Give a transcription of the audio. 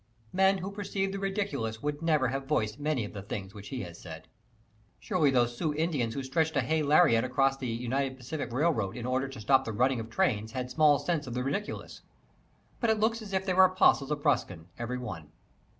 Men who perceive the ridiculous would never have voiced many of the things which he has said. Surely those Sioux Indians who stretched a hay lariat across the Union Pacific Railroad in order to stop the running of trains had small sense of the ridiculous. But it looks as if they were apostles of Ruskin, every one.